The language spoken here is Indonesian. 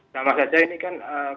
sama saja ini kan